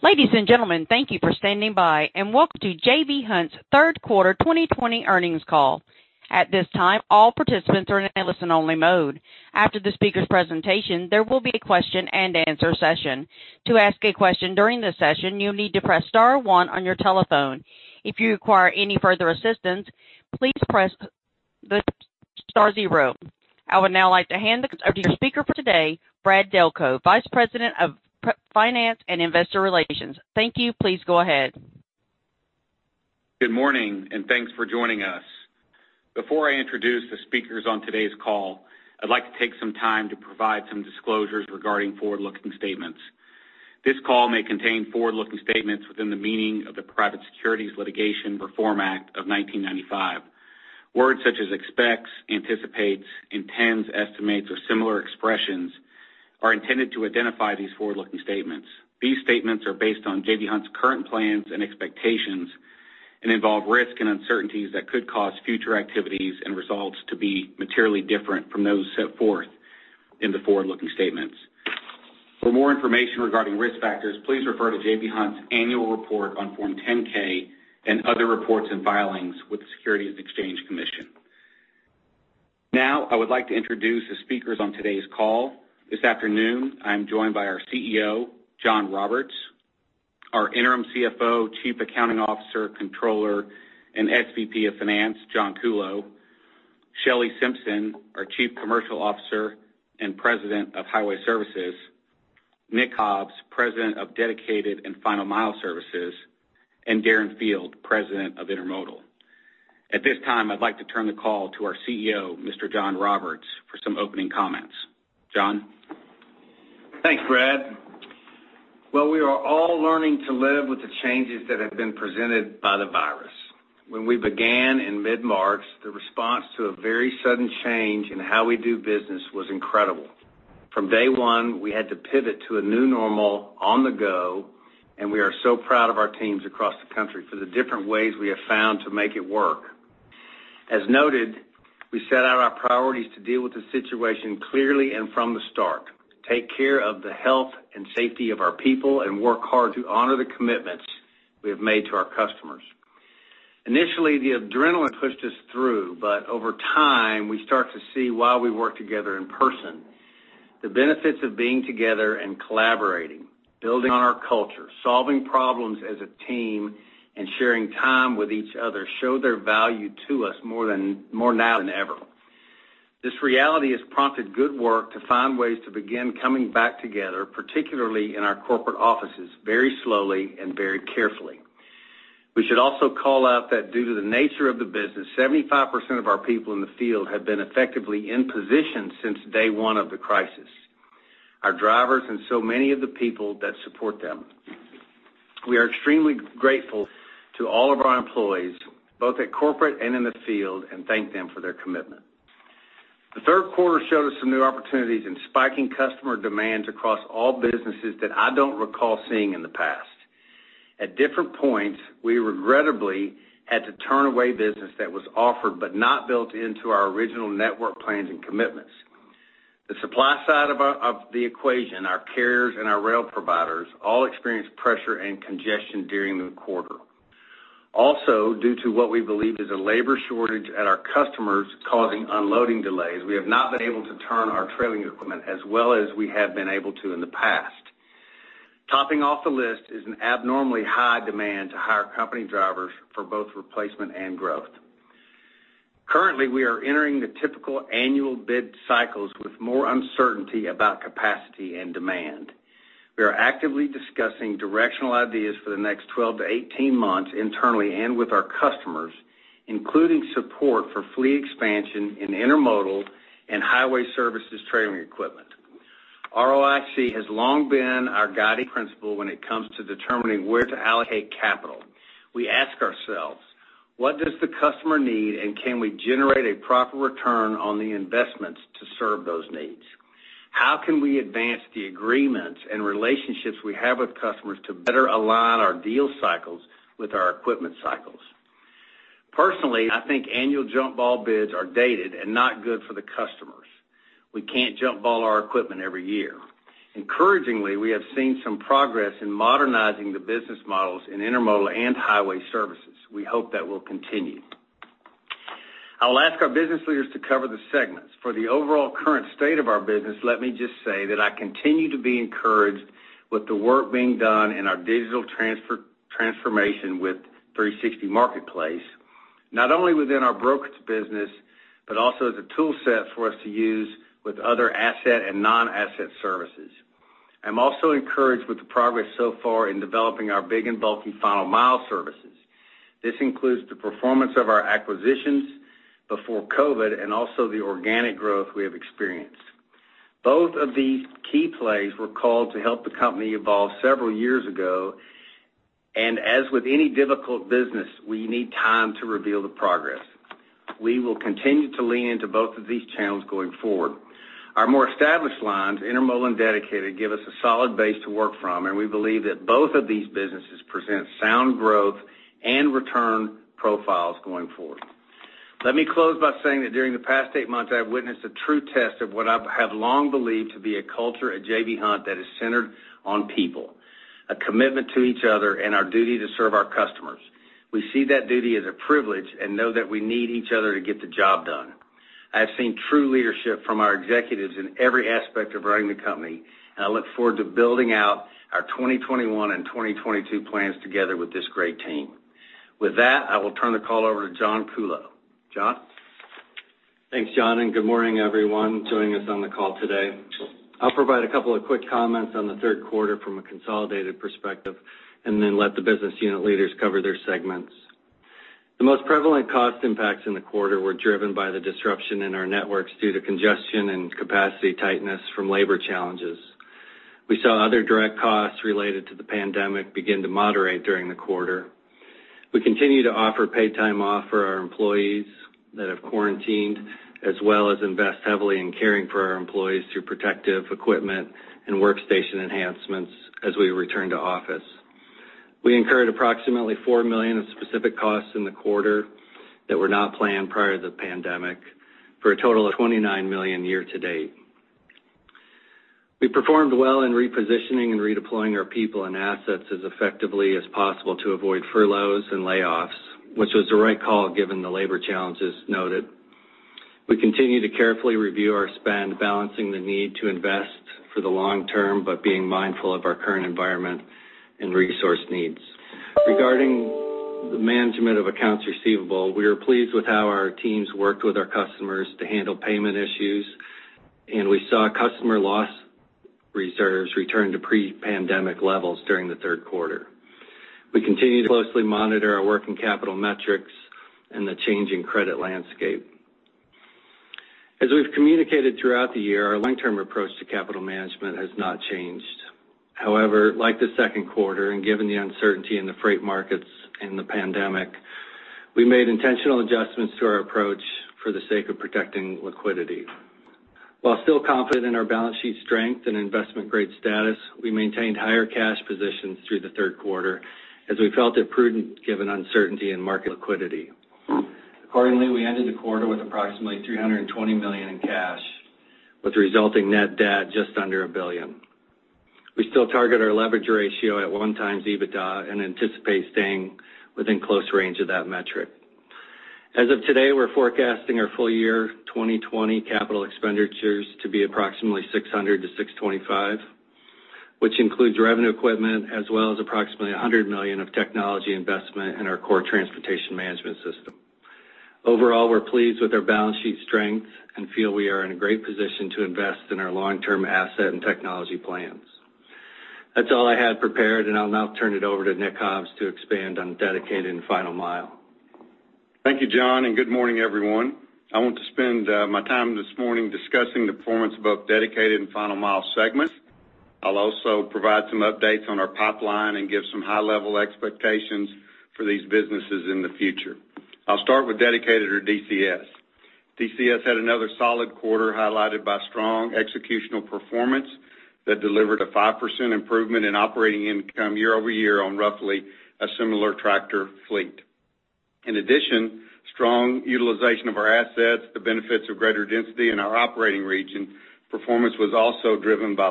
Ladies and gentlemen, thank you for standing by and welcome to J.B. Hunt's third quarter 2020 earnings call. I would now like to hand over to the speaker for today, Brad Delco, Vice President of Finance and Investor Relations. Thank you. Please go ahead. Good morning and thanks for joining us. Before I introduce the speakers on today's call, I'd like to take some time to provide some disclosures regarding forward-looking statements. This call may contain forward-looking statements within the meaning of the Private Securities Litigation Reform Act of 1995. Words such as expects, anticipates, intends, estimates, or similar expressions are intended to identify these forward-looking statements. These statements are based on J.B. Hunt's current plans and expectations and involve risks and uncertainties that could cause future activities and results to be materially different from those set forth in the forward-looking statements. For more information regarding risk factors, please refer to J.B. Hunt's annual report on Form 10-K and other reports and filings with the Securities and Exchange Commission. Now, I would like to introduce the speakers on today's call. This afternoon, I'm joined by our CEO, John Roberts; our Interim CFO, Chief Accounting Officer, Controller, and SVP of Finance, John Kuhlow; Shelley Simpson, our Chief Commercial Officer and President of Highway Services; Nick Hobbs, President of Dedicated and Final Mile Services; and Darren Field, President of Intermodal. At this time, I'd like to turn the call to our CEO, Mr. John Roberts, for some opening comments. John? Thanks, Brad. We are all learning to live with the changes that have been presented by the virus. When we began in mid-March, the response to a very sudden change in how we do business was incredible. From day one, we had to pivot to a new normal on the go, and we are so proud of our teams across the country for the different ways we have found to make it work. As noted, we set out our priorities to deal with the situation clearly and from the start, take care of the health and safety of our people, and work hard to honor the commitments we have made to our customers. Initially, the adrenaline pushed us through, but over time, we start to see why we work together in person. The benefits of being together and collaborating, building on our culture, solving problems as a team, and sharing time with each other show their value to us more now than ever. This reality has prompted good work to find ways to begin coming back together, particularly in our corporate offices, very slowly and very carefully. We should also call out that due to the nature of the business, 75% of our people in the field have been effectively in position since day one of the crisis, our drivers and so many of the people that support them. We are extremely grateful to all of our employees, both at corporate and in the field, and thank them for their commitment. The third quarter showed us some new opportunities and spiking customer demands across all businesses that I don't recall seeing in the past. At different points, we regrettably had to turn away business that was offered but not built into our original network plans and commitments. The supply side of the equation, our carriers and our rail providers, all experienced pressure and congestion during the quarter. Also, due to what we believe is a labor shortage at our customers causing unloading delays, we have not been able to turn our trailing equipment as well as we have been able to in the past. Topping off the list is an abnormally high demand to hire company drivers for both replacement and growth. Currently, we are entering the typical annual bid cycles with more uncertainty about capacity and demand. We are actively discussing directional ideas for the next 12 to 18 months internally and with our customers, including support for fleet expansion in intermodal and highway services trailing equipment. ROIC has long been our guiding principle when it comes to determining where to allocate capital. We ask ourselves, what does the customer need, and can we generate a proper return on the investments to serve those needs? How can we advance the agreements and relationships we have with customers to better align our deal cycles with our equipment cycles? Personally, I think annual jump ball bids are dated and not good for the customers. We can't jump ball our equipment every year. Encouragingly, we have seen some progress in modernizing the business models in Intermodal and Highway Services. We hope that will continue. I will ask our business leaders to cover the segments. For the overall current state of our business, let me just say that I continue to be encouraged with the work being done in our digital transformation with 360 Marketplace, not only within our brokerage business, but also as a tool set for us to use with other asset and non-asset services. I'm also encouraged with the progress so far in developing our big and bulky final mile services. This includes the performance of our acquisitions before COVID and also the organic growth we have experienced. Both of these key plays were called to help the company evolve several years ago, and as with any difficult business, we need time to reveal the progress. We will continue to lean into both of these channels going forward. Our more established lines, intermodal and dedicated, give us a solid base to work from, and we believe that both of these businesses present sound growth and return profiles going forward. Let me close by saying that during the past eight months, I have witnessed a true test of what I have long believed to be a culture at J.B. Hunt that is centered on people, a commitment to each other, and our duty to serve our customers. We see that duty as a privilege and know that we need each other to get the job done. I have seen true leadership from our executives in every aspect of running the company, and I look forward to building out our 2021 and 2022 plans together with this great team. With that, I will turn the call over to John Kuhlow. John? Thanks, John, and good morning, everyone joining us on the call today. I'll provide a couple of quick comments on the third quarter from a consolidated perspective, and then let the business unit leaders cover their segments. The most prevalent cost impacts in the quarter were driven by the disruption in our networks due to congestion and capacity tightness from labor challenges. We saw other direct costs related to the pandemic begin to moderate during the quarter. We continue to offer paid time off for our employees that have quarantined, as well as invest heavily in caring for our employees through protective equipment and workstation enhancements as we return to office. We incurred approximately $4 million of specific costs in the quarter that were not planned prior to the pandemic, for a total of $29 million year to date. We performed well in repositioning and redeploying our people and assets as effectively as possible to avoid furloughs and layoffs, which was the right call given the labor challenges noted. We continue to carefully review our spend, balancing the need to invest for the long term, but being mindful of our current environment and resource needs. Regarding the management of accounts receivable, we are pleased with how our teams worked with our customers to handle payment issues, and we saw customer loss reserves return to pre-pandemic levels during the Third Quarter. We continue to closely monitor our working capital metrics and the changing credit landscape. As we've communicated throughout the year, our long-term approach to capital management has not changed. However, like the Second Quarter, and given the uncertainty in the freight markets and the pandemic, we made intentional adjustments to our approach for the sake of protecting liquidity. While still confident in our balance sheet strength and investment-grade status, we maintained higher cash positions through the third quarter as we felt it prudent given uncertainty in market liquidity. Accordingly, we ended the quarter with approximately $320 million in cash, with resulting net debt just under $1 billion. We still target our leverage ratio at 1 times EBITDA and anticipate staying within close range of that metric. As of today, we're forecasting our full year 2020 capital expenditures to be approximately $600-$625, which includes revenue equipment as well as approximately $100 million of technology investment in our core transportation management system. Overall, we're pleased with our balance sheet strength and feel we are in a great position to invest in our long-term asset and technology plans. That's all I had prepared, and I'll now turn it over to Nick Hobbs to expand on dedicated and final mile. Thank you, John. Good morning, everyone. I want to spend my time this morning discussing the performance of both Dedicated and Final Mile segments. I'll also provide some updates on our pipeline and give some high-level expectations for these businesses in the future. I'll start with Dedicated or DCS. DCS had another solid quarter highlighted by strong executional performance that delivered a 5% improvement in operating income year-over-year on roughly a similar tractor fleet. Performance was also driven by strong utilization of our assets, the benefits of greater density in our operating region,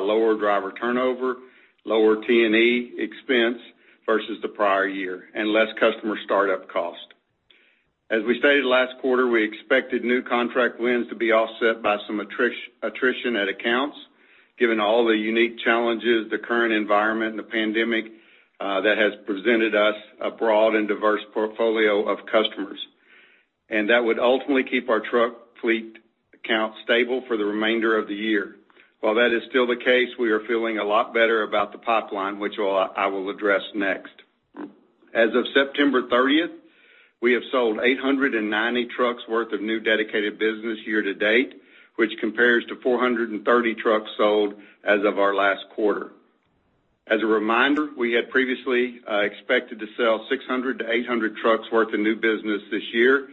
lower driver turnover, lower T&E expense versus the prior year, and less customer start-up cost. As we stated last quarter, we expected new contract wins to be offset by some attrition at accounts, given all the unique challenges, the current environment and the pandemic, that has presented us a broad and diverse portfolio of customers. That would ultimately keep our truck fleet accounts stable for the remainder of the year. While that is still the case, we are feeling a lot better about the pipeline, which I will address next. As of September 30th, we have sold 890 trucks worth of new dedicated business year to date, which compares to 430 trucks sold as of our last quarter. As a reminder, we had previously expected to sell 600-800 trucks worth of new business this year,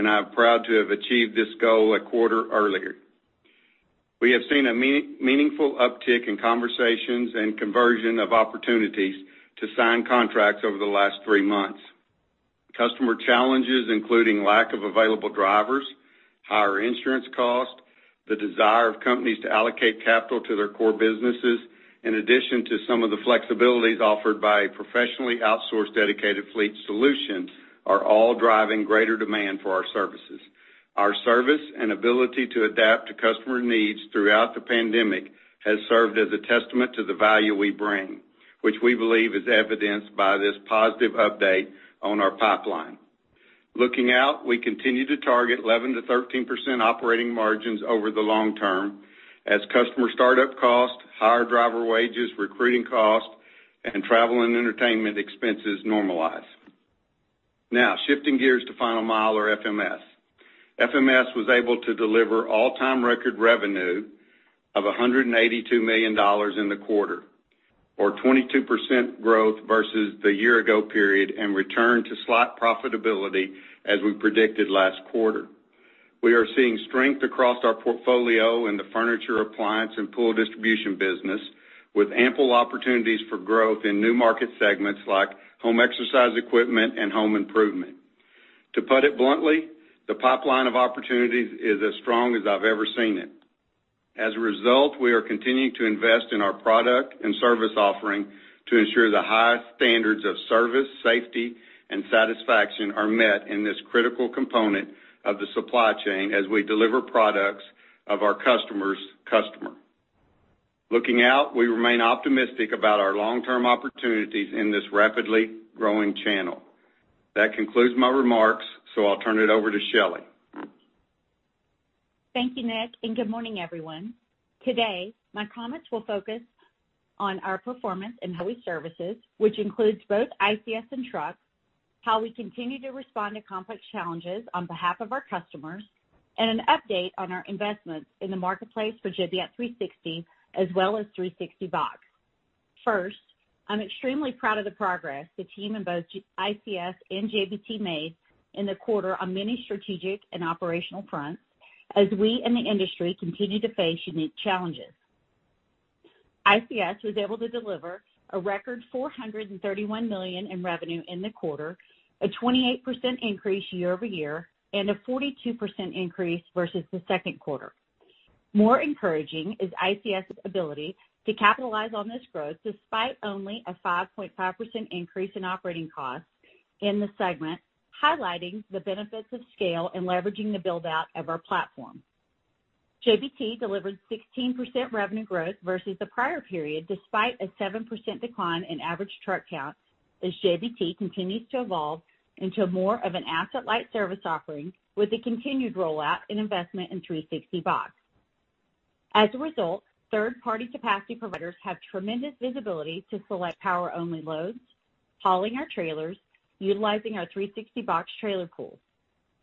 and I'm proud to have achieved this goal a quarter earlier. We have seen a meaningful uptick in conversations and conversion of opportunities to sign contracts over the last three months. Customer challenges, including lack of available drivers, higher insurance cost, the desire of companies to allocate capital to their core businesses, in addition to some of the flexibilities offered by professionally outsourced dedicated fleet solutions are all driving greater demand for our services. Our service and ability to adapt to customer needs throughout the pandemic has served as a testament to the value we bring, which we believe is evidenced by this positive update on our pipeline. Looking out, we continue to target 11%-13% operating margins over the long term as customer startup cost, higher driver wages, recruiting cost, and travel and entertainment expenses normalize. Now, shifting gears to Final Mile or FMS. FMS was able to deliver all-time record revenue of $182 million in the quarter, or 22% growth versus the year ago period and return to slight profitability as we predicted last quarter. We are seeing strength across our portfolio in the furniture, appliance, and pool distribution business, with ample opportunities for growth in new market segments like home exercise equipment and home improvement. To put it bluntly, the pipeline of opportunities is as strong as I've ever seen it. As a result, we are continuing to invest in our product and service offering to ensure the highest standards of service, safety, and satisfaction are met in this critical component of the supply chain as we deliver products of our customer's customer. Looking out, we remain optimistic about our long-term opportunities in this rapidly growing channel. That concludes my remarks. I'll turn it over to Shelley. Thank you, Nick, and good morning, everyone. Today, my comments will focus on our performance in highway services, which includes both ICS and JBT, how we continue to respond to complex challenges on behalf of our customers, and an update on our investments in the marketplace for J.B. Hunt 360, as well as 360box. First, I'm extremely proud of the progress the team in both ICS and JBT made in the quarter on many strategic and operational fronts as we in the industry continue to face unique challenges. ICS was able to deliver a record $431 million in revenue in the quarter, a 28% increase year-over-year, and a 42% increase versus the second quarter. More encouraging is ICS' ability to capitalize on this growth despite only a 5.5% increase in operating costs in the segment, highlighting the benefits of scale and leveraging the build-out of our platform. JBT delivered 16% revenue growth versus the prior period, despite a 7% decline in average truck count, as JBT continues to evolve into more of an asset-light service offering with the continued rollout and investment in 360box. As a result, third-party capacity providers have tremendous visibility to select power-only loads, hauling our trailers, utilizing our 360box trailer pools.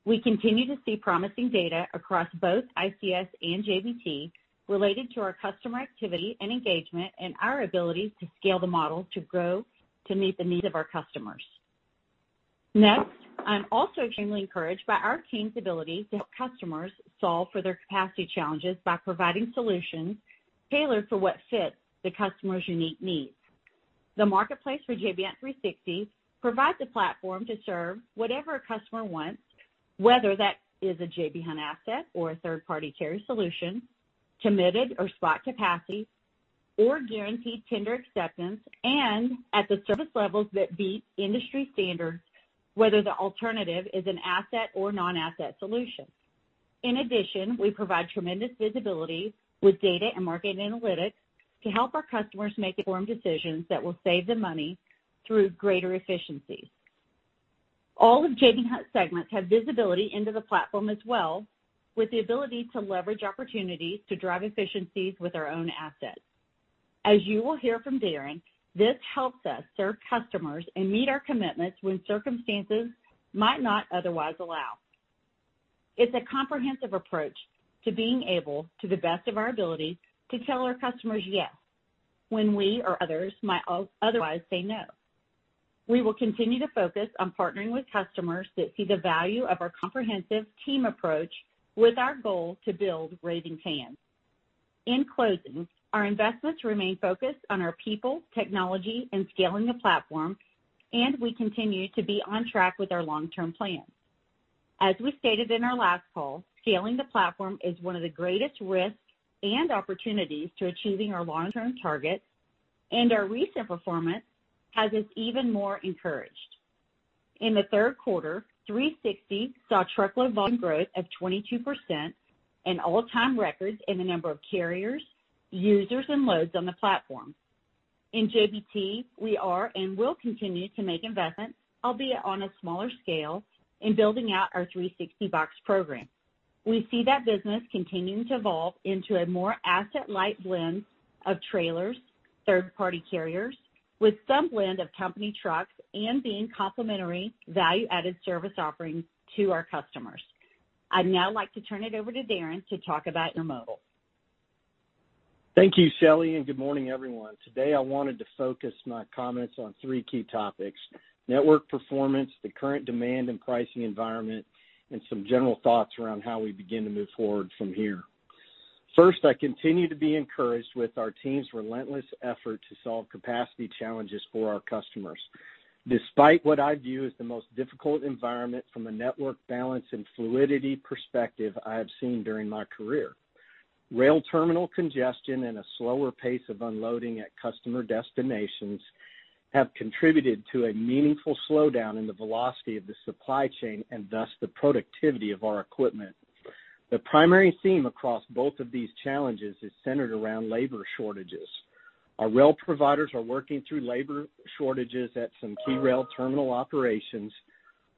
We continue to see promising data across both ICS and JBT related to our customer activity and engagement and our ability to scale the model to grow to meet the needs of our customers. Next, I'm also extremely encouraged by our team's ability to help customers solve for their capacity challenges by providing solutions tailored for what fits the customer's unique needs. The marketplace for J.B. Hunt 360° provides a platform to serve whatever a customer wants, whether that is a J.B. Hunt asset or a third-party carrier solution, committed or spot capacity, or guaranteed tender acceptance, and at the service levels that beat industry standards, whether the alternative is an asset or non-asset solution. In addition, we provide tremendous visibility with data and market analytics to help our customers make informed decisions that will save them money through greater efficiencies. All of J.B. Hunt's segments have visibility into the platform as well, with the ability to leverage opportunities to drive efficiencies with our own assets. As you will hear from Darren, this helps us serve customers and meet our commitments when circumstances might not otherwise allow. It's a comprehensive approach to being able, to the best of our ability, to tell our customers yes when we or others might otherwise say no. We will continue to focus on partnering with customers that see the value of our comprehensive team approach with our goal to build raising hands. In closing, our investments remain focused on our people, technology, and scaling the platform, and we continue to be on track with our long-term plans. As we stated in our last call, scaling the platform is one of the greatest risks and opportunities to achieving our long-term targets, and our recent performance has us even more encouraged. In the third quarter, 360 saw truckload volume growth of 22% and all-time records in the number of carriers, users, and loads on the platform. In JBT, we are and will continue to make investments, albeit on a smaller scale, in building out our 360box program. We see that business continuing to evolve into a more asset-light blend of trailers, third-party carriers, with some blend of company trucks and being complementary value-added service offerings to our customers. I'd now like to turn it over to Darren to talk about your model. Thank you, Shelley, and good morning, everyone. Today, I wanted to focus my comments on three key topics: network performance, the current demand and pricing environment, and some general thoughts around how we begin to move forward from here. First, I continue to be encouraged with our team's relentless effort to solve capacity challenges for our customers. Despite what I view as the most difficult environment from a network balance and fluidity perspective I have seen during my career. Rail terminal congestion and a slower pace of unloading at customer destinations have contributed to a meaningful slowdown in the velocity of the supply chain and thus the productivity of our equipment. The primary theme across both of these challenges is centered around labor shortages. Our rail providers are working through labor shortages at some key rail terminal operations.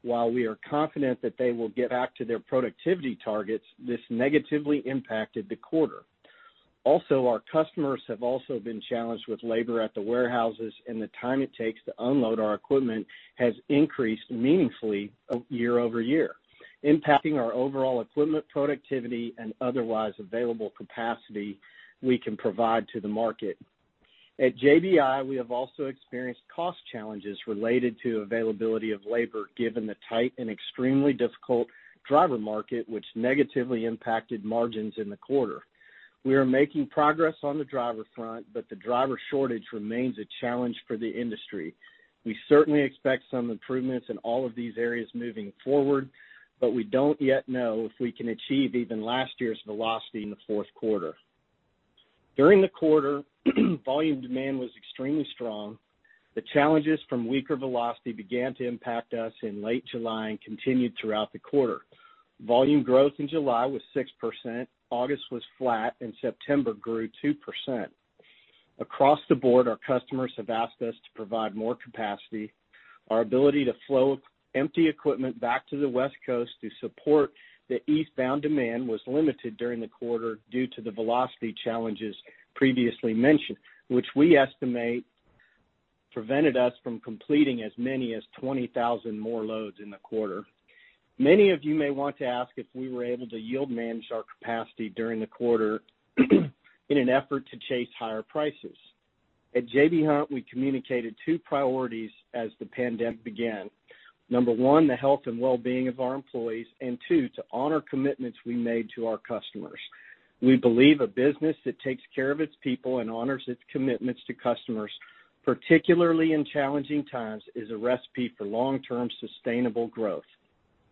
While we are confident that they will get back to their productivity targets, this negatively impacted the quarter. Our customers have also been challenged with labor at the warehouses, and the time it takes to unload our equipment has increased meaningfully year-over-year, impacting our overall equipment productivity and otherwise available capacity we can provide to the market. At JBI, we have also experienced cost challenges related to availability of labor, given the tight and extremely difficult driver market, which negatively impacted margins in the quarter. We are making progress on the driver front, the driver shortage remains a challenge for the industry. We certainly expect some improvements in all of these areas moving forward, we don't yet know if we can achieve even last year's velocity in the fourth quarter. During the quarter, volume demand was extremely strong. The challenges from weaker velocity began to impact us in late July and continued throughout the quarter. Volume growth in July was 6%, August was flat. September grew 2%. Across the board, our customers have asked us to provide more capacity. Our ability to flow empty equipment back to the West Coast to support the eastbound demand was limited during the quarter due to the velocity challenges previously mentioned, which we estimate prevented us from completing as many as 20,000 more loads in the quarter. Many of you may want to ask if we were able to yield manage our capacity during the quarter in an effort to chase higher prices. At J.B. Hunt, we communicated two priorities as the pandemic began. Number one, the health and wellbeing of our employees, and two, to honor commitments we made to our customers. We believe a business that takes care of its people and honors its commitments to customers, particularly in challenging times, is a recipe for long-term sustainable growth.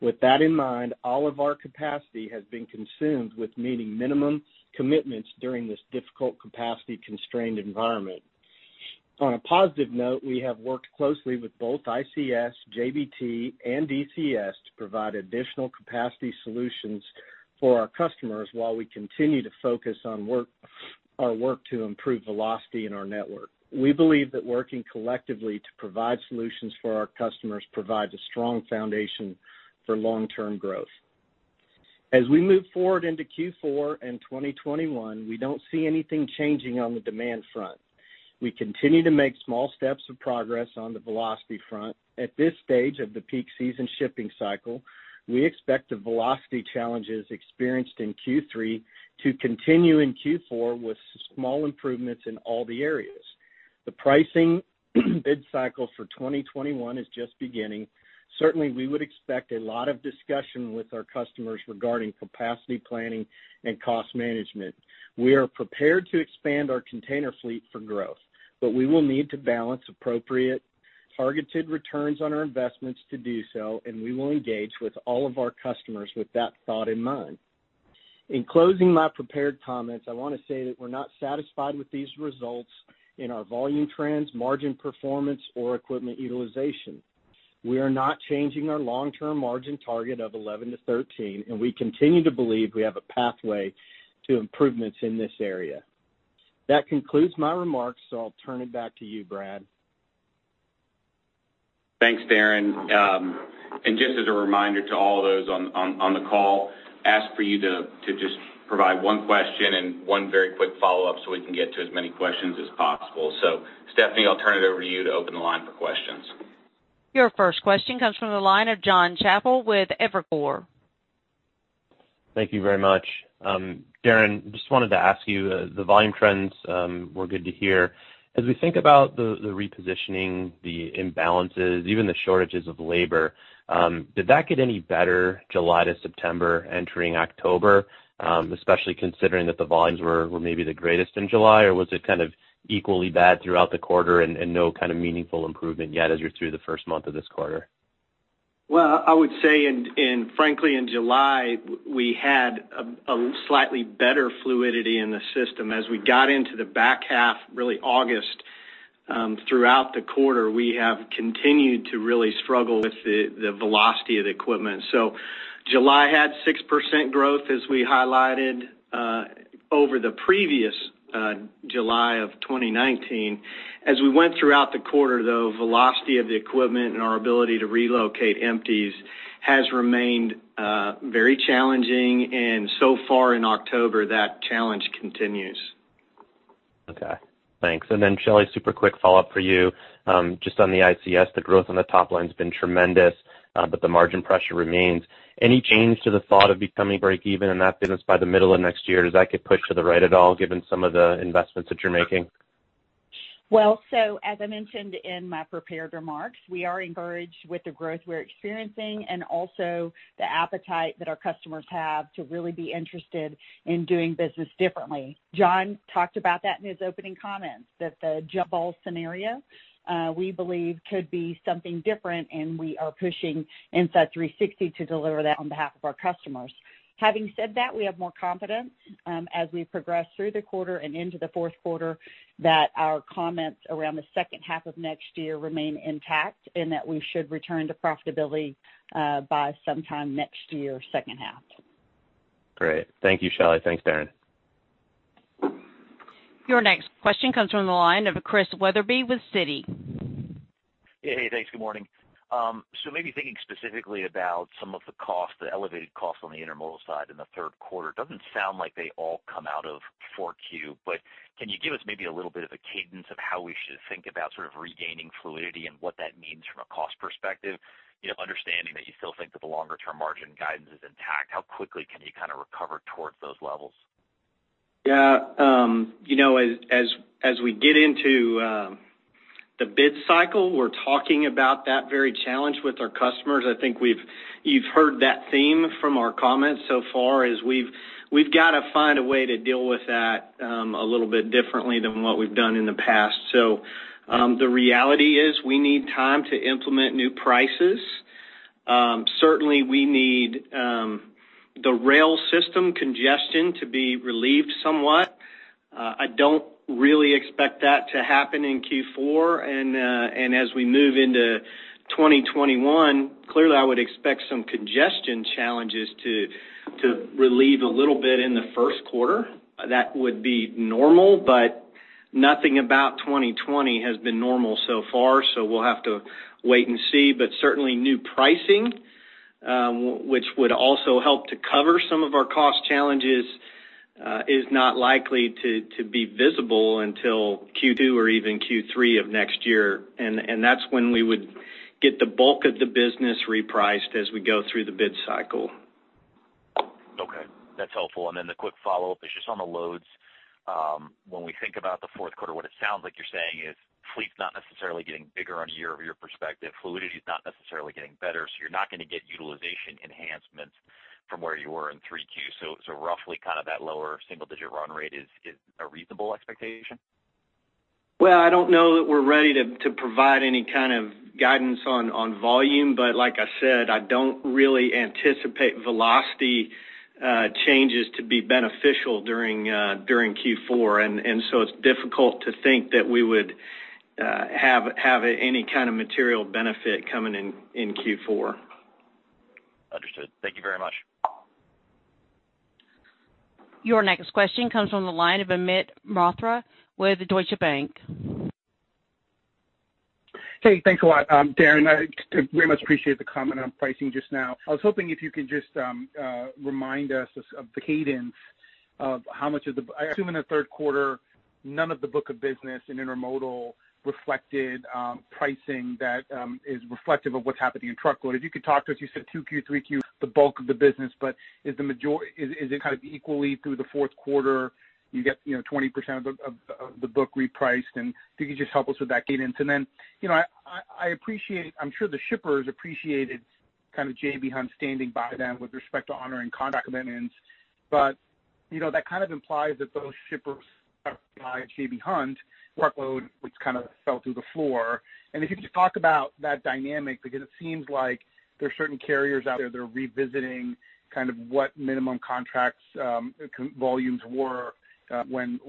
With that in mind, all of our capacity has been consumed with meeting minimum commitments during this difficult capacity-constrained environment. On a positive note, we have worked closely with both ICS, JBT, and DCS to provide additional capacity solutions for our customers while we continue to focus on our work to improve velocity in our network. We believe that working collectively to provide solutions for our customers provides a strong foundation for long-term growth. As we move forward into Q4 and 2021, we don't see anything changing on the demand front. We continue to make small steps of progress on the velocity front. At this stage of the peak season shipping cycle, we expect the velocity challenges experienced in Q3 to continue in Q4 with small improvements in all the areas. The pricing bid cycle for 2021 is just beginning. Certainly, we would expect a lot of discussion with our customers regarding capacity planning and cost management. We are prepared to expand our container fleet for growth, but we will need to balance appropriate targeted returns on our investments to do so, and we will engage with all of our customers with that thought in mind. In closing my prepared comments, I want to say that we're not satisfied with these results in our volume trends, margin performance, or equipment utilization. We are not changing our long-term margin target of 11%-13%, and we continue to believe we have a pathway to improvements in this area. That concludes my remarks, so I'll turn it back to you, Brad. Thanks, Darren. Just as a reminder to all those on the call, ask for you to just provide one question and one very quick follow-up so we can get to as many questions as possible. Stephanie, I'll turn it over to you to open the line for questions. Your first question comes from the line of Jon Chappell with Evercore. Thank you very much. Darren, just wanted to ask you, the volume trends were good to hear. As we think about the repositioning, the imbalances, even the shortages of labor, did that get any better July to September, entering October, especially considering that the volumes were maybe the greatest in July? Or was it kind of equally bad throughout the quarter and no kind of meaningful improvement yet as you're through the first month of this quarter? Well, I would say frankly, in July, we had a slightly better fluidity in the system. As we got into the back half, really August, throughout the quarter, we have continued to really struggle with the velocity of the equipment. July had 6% growth, as we highlighted, over the previous July of 2019. As we went throughout the quarter, though, velocity of the equipment and our ability to relocate empties has remained very challenging, and so far in October, that challenge continues. Okay. Thanks. Shelley, super quick follow-up for you. Just on the ICS, the growth on the top line's been tremendous, the margin pressure remains. Any change to the thought of becoming breakeven in that business by the middle of next year? Does that get pushed to the right at all, given some of the investments that you're making? Well, as I mentioned in my prepared remarks, we are encouraged with the growth we're experiencing and also the appetite that our customers have to really be interested in doing business differently. John talked about that in his opening comments, that the jump ball scenario, we believe could be something different, and we are pushing Inside360 to deliver that on behalf of our customers. Having said that, we have more confidence as we progress through the quarter and into the fourth quarter that our comments around the second half of next year remain intact and that we should return to profitability by sometime next year, second half. Great. Thank you, Shelley. Thanks, Darren. Your next question comes from the line of Chris Wetherbee with Citi. Hey. Thanks. Good morning. Maybe thinking specifically about some of the elevated costs on the intermodal side in the third quarter, doesn't sound like they all come out of 4Q, but can you give us maybe a little bit of a cadence of how we should think about sort of regaining fluidity and what that means from a cost perspective? Understanding that you still think that the longer-term margin guidance is intact, how quickly can you kind of recover towards those levels? As we get into the bid cycle, we're talking about that very challenge with our customers. I think you've heard that theme from our comments so far, is we've got to find a way to deal with that a little bit differently than what we've done in the past. The reality is we need time to implement new prices. Certainly, we need the rail system congestion to be relieved somewhat. I don't really expect that to happen in Q4. As we move into 2021, clearly I would expect some congestion challenges to relieve a little bit in the first quarter. That would be normal, but nothing about 2020 has been normal so far. We'll have to wait and see. Certainly, new pricing, which would also help to cover some of our cost challenges, is not likely to be visible until Q2 or even Q3 of next year. That's when we would get the bulk of the business repriced as we go through the bid cycle. Okay. That's helpful. The quick follow-up is just on the loads. When we think about the fourth quarter, what it sounds like you're saying is fleet's not necessarily getting bigger on a year-over-year perspective. Fluidity is not necessarily getting better, so you're not going to get utilization enhancements from where you were in 3Q. Roughly, that lower single-digit run rate is a reasonable expectation? I don't know that we're ready to provide any kind of guidance on volume. Like I said, I don't really anticipate velocity changes to be beneficial during Q4. It's difficult to think that we would have any kind of material benefit coming in Q4. Understood. Thank you very much. Your next question comes from the line of Amit Mehrotra with Deutsche Bank. Hey, thanks a lot. Darren, I very much appreciate the comment on pricing just now. I was hoping if you could just remind us of the cadence of how much of the I assume in the third quarter, none of the book of business in Intermodal reflected pricing that is reflective of what's happening in truckload. If you could talk to us, you said 2Q, 3Q, the bulk of the business, but is it kind of equally through the fourth quarter, you get 20% of the book repriced? If you could just help us with that cadence. Then, I'm sure the shippers appreciated J.B. Hunt standing by them with respect to honoring contract amendments. That kind of implies that those shippers buy J.B. Hunt workload, which kind of fell through the floor. If you could just talk about that dynamic, because it seems like there's certain carriers out there that are revisiting what minimum contract volumes were when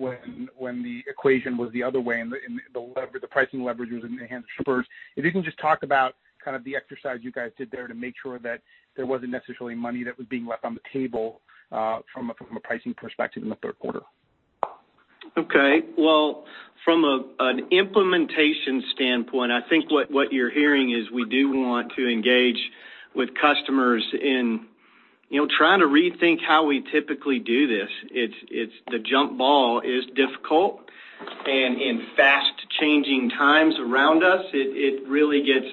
the equation was the other way, and the pricing leverage was enhanced shippers. If you can just talk about the exercise you guys did there to make sure that there wasn't necessarily money that was being left on the table from a pricing perspective in the third quarter. Okay. Well, from an implementation standpoint, I think what you're hearing is we do want to engage with customers in trying to rethink how we typically do this. The jump ball is difficult, and in fast-changing times around us, it really gets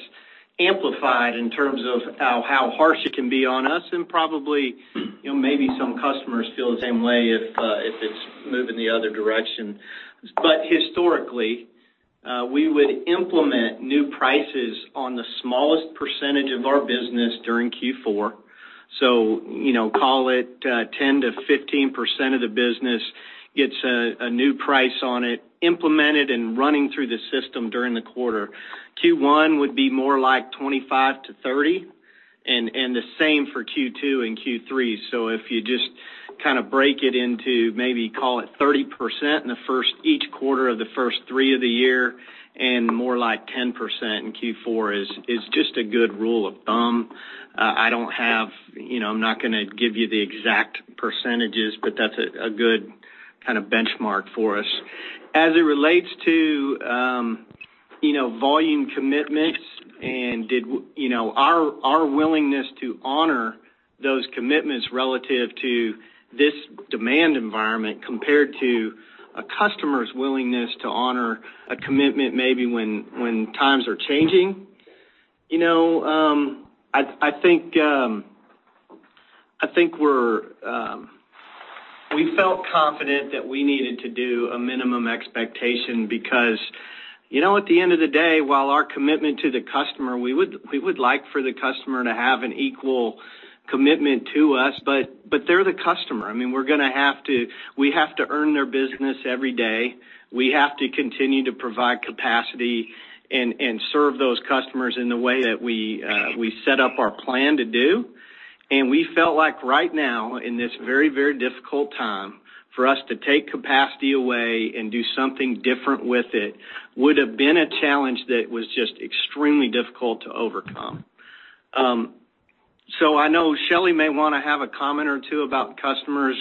amplified in terms of how harsh it can be on us. Probably, maybe some customers feel the same way if it's moving the other direction. Historically, we would implement new prices on the smallest percentage of our business during Q4. Call it 10% to 15% of the business gets a new price on it implemented and running through the system during the quarter. Q1 would be more like 25%-30%, and the same for Q2 and Q3. If you just break it into, maybe call it 30% each quarter of the first three of the year, and more like 10% in Q4 is just a good rule of thumb. I'm not going to give you the exact percentages, but that's a good benchmark for us. As it relates to volume commitments and our willingness to honor those commitments relative to this demand environment compared to a customer's willingness to honor a commitment maybe when times are changing. I think we felt confident that we needed to do a minimum expectation because at the end of the day, while our commitment to the customer, we would like for the customer to have an equal commitment to us. They're the customer. We have to earn their business every day. We have to continue to provide capacity and serve those customers in the way that we set up our plan to do. We felt like right now, in this very, very difficult time, for us to take capacity away and do something different with it, would have been a challenge that was just extremely difficult to overcome. I know Shelley may want to have a comment or two about customers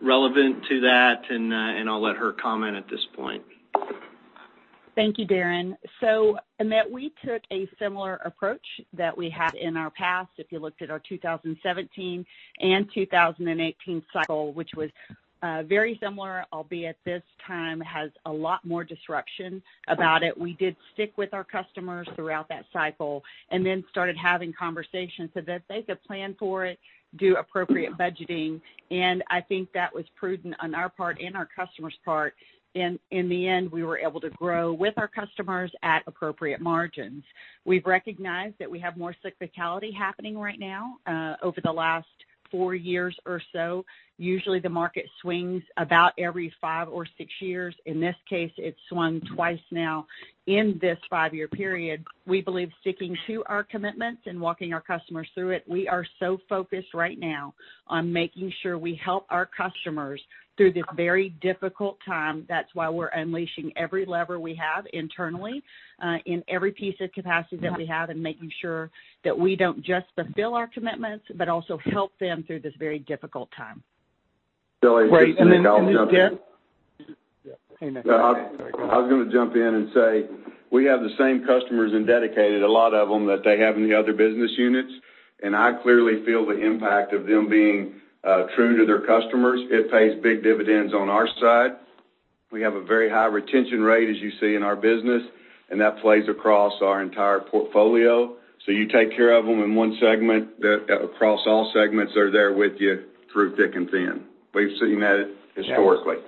relevant to that, and I'll let her comment at this point. Thank you, Darren. We took a similar approach that we had in our past. If you looked at our 2017 and 2018 cycle, which was very similar, albeit this time has a lot more disruption about it. We did stick with our customers throughout that cycle and then started having conversations so that they could plan for it, do appropriate budgeting, and I think that was prudent on our part and our customers' part. In the end, we were able to grow with our customers at appropriate margins. We've recognized that we have more cyclicality happening right now over the last four years or so. Usually, the market swings about every five or six years. In this case, it swung twice now in this five-year period. We believe sticking to our commitments and walking our customers through it, we are so focused right now on making sure we help our customers through this very difficult time. That's why we're unleashing every lever we have internally, in every piece of capacity that we have, and making sure that we don't just fulfill our commitments, but also help them through this very difficult time. Shelley, can I jump in? Great. Then, Darren. I was going to jump in and say, we have the same customers in Dedicated, a lot of them that they have in the other business units, and I clearly feel the impact of them being true to their customers. It pays big dividends on our side. We have a very high retention rate, as you see in our business, and that plays across our entire portfolio. You take care of them in one segment, across all segments, they're there with you through thick and thin. We've seen that historically.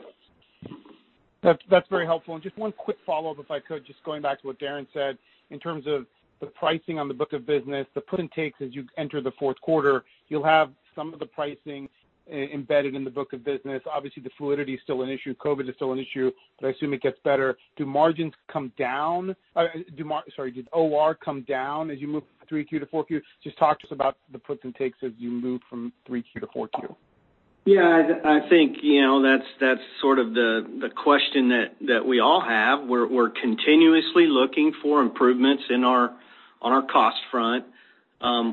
That's very helpful. Just one quick follow-up, if I could, just going back to what Darren said. In terms of the pricing on the book of business, the puts and takes as you enter the fourth quarter, you'll have some of the pricing embedded in the book of business. Obviously, the fluidity is still an issue. COVID is still an issue, but I assume it gets better. Do margins come down? Sorry, did OR come down as you move from 3Q to 4Q? Just talk to us about the puts and takes as you move from 3Q to 4Q. Yeah, I think that's sort of the question that we all have. We're continuously looking for improvements on our cost front.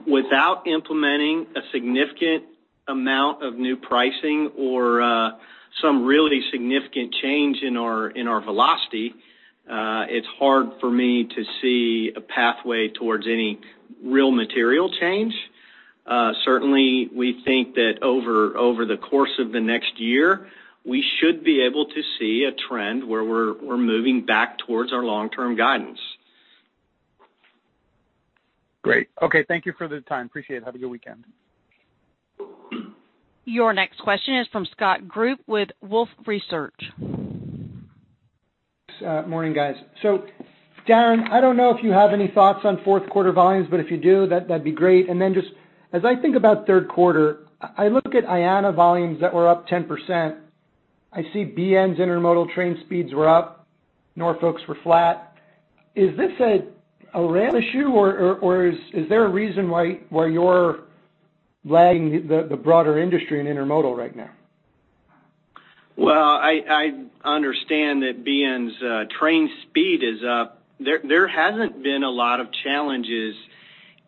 Without implementing a significant amount of new pricing or some really significant change in our velocity, it's hard for me to see a pathway towards any real material change. Certainly, we think that over the course of the next year, we should be able to see a trend where we're moving back towards our long-term guidance. Great. Okay, thank you for the time. Appreciate it. Have a good weekend. Your next question is from Scott Group with Wolfe Research. Morning, guys. Darren, I don't know if you have any thoughts on fourth quarter volumes, but if you do, that'd be great. Just as I think about third quarter, I look at IANA volumes that were up 10%. I see BN's intermodal train speeds were up. Norfolk's were flat. Is this a rail issue or is there a reason why you're lagging the broader industry in intermodal right now? I understand that BNSF's train speed is up. There hasn't been a lot of challenges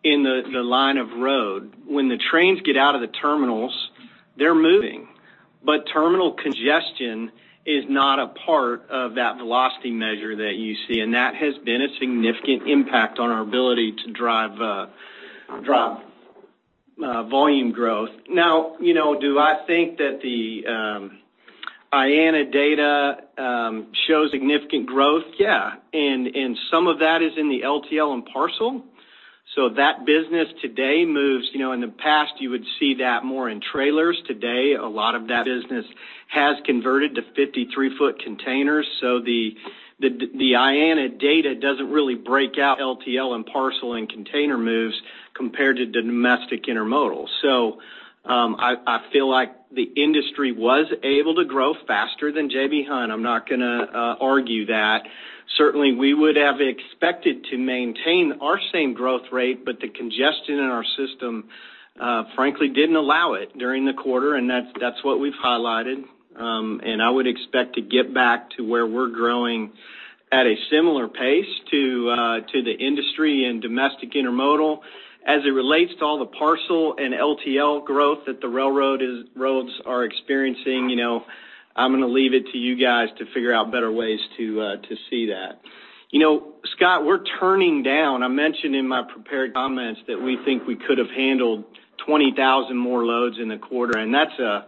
in the line of road. When the trains get out of the terminals, they're moving. Terminal congestion is not a part of that velocity measure that you see, and that has been a significant impact on our ability to drive volume growth. Do I think that the IANA data shows significant growth? Yeah. Some of that is in the LTL and parcel. That business today moves, in the past, you would see that more in trailers. Today, a lot of that business has converted to 53-foot containers. The IANA data doesn't really break out LTL and parcel and container moves compared to domestic intermodal. I feel like the industry was able to grow faster than J.B. Hunt. I'm not going to argue that. Certainly, we would have expected to maintain our same growth rate, but the congestion in our system, frankly, didn't allow it during the quarter. That's what we've highlighted. I would expect to get back to where we're growing at a similar pace to the industry and domestic intermodal. As it relates to all the parcel and LTL growth that the railroads are experiencing, I'm going to leave it to you guys to figure out better ways to see that. Scott, we're turning down, I mentioned in my prepared comments that we think we could have handled 20,000 more loads in the quarter, and I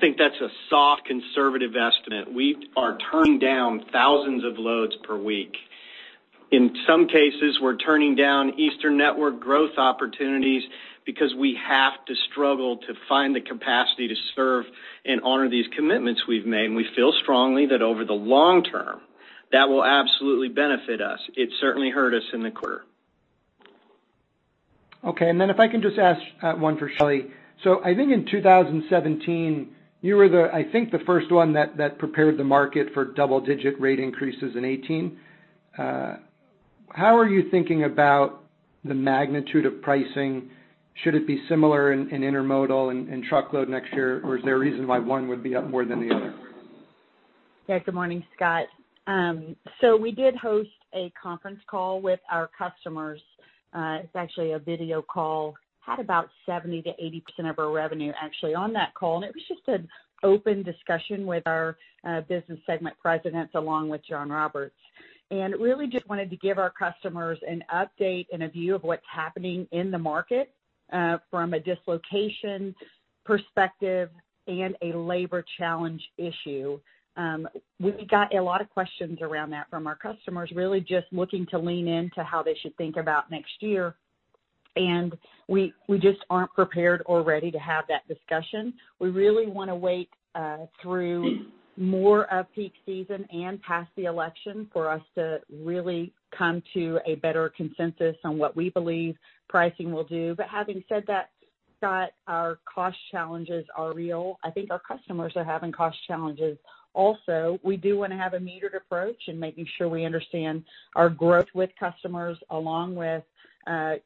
think that's a soft conservative estimate. We are turning down thousands of loads per week. In some cases, we're turning down eastern network growth opportunities because we have to struggle to find the capacity to serve and honor these commitments we've made, and we feel strongly that over the long term, that will absolutely benefit us. It certainly hurt us in the quarter. Okay. If I can just ask one for Shelley. I think in 2017, you were, I think, the first one that prepared the market for double-digit rate increases in 2018. How are you thinking about the magnitude of pricing? Should it be similar in intermodal and truckload next year, or is there a reason why one would be up more than the other? Good morning, Scott. We did host a conference call with our customers. It's actually a video call. Had about 70%-80% of our revenue actually on that call, and it was just an open discussion with our business segment presidents, along with John Roberts. Really just wanted to give our customers an update and a view of what's happening in the market from a dislocation perspective and a labor challenge issue. We got a lot of questions around that from our customers, really just looking to lean into how they should think about next year. We just aren't prepared or ready to have that discussion. We really want to wait through more of peak season and past the election for us to really come to a better consensus on what we believe pricing will do. Having said that, Scott, our cost challenges are real. I think our customers are having cost challenges also. We do want to have a metered approach in making sure we understand our growth with customers, along with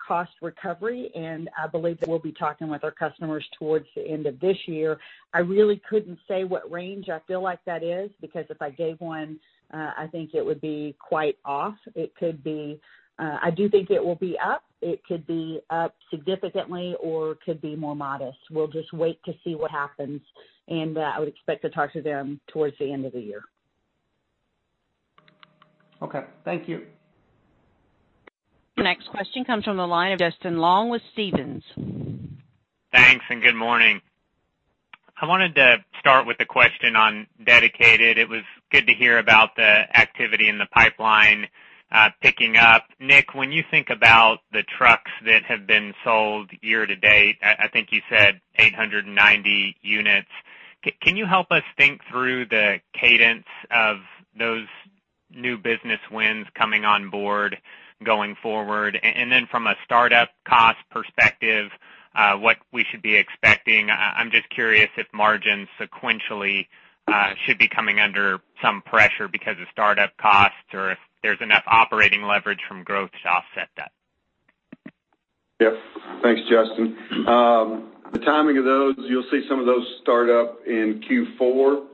cost recovery, and I believe that we'll be talking with our customers towards the end of this year. I really couldn't say what range I feel like that is, because if I gave one, I think it would be quite off. I do think it will be up. It could be up significantly or could be more modest. We'll just wait to see what happens, and I would expect to talk to them towards the end of the year. Okay. Thank you. The next question comes from the line of Justin Long with Stephens. Thanks, and good morning. I wanted to start with a question on dedicated. It was good to hear about the activity in the pipeline picking up. Nick, when you think about the trucks that have been sold year to date, I think you said 890 units. Can you help us think through the cadence of those new business wins coming on board going forward? Then from a startup cost perspective, what we should be expecting. I'm just curious if margins sequentially should be coming under some pressure because of startup costs, or if there's enough operating leverage from growth to offset that. Yep. Thanks, Justin. The timing of those, you'll see some of those start up in Q4.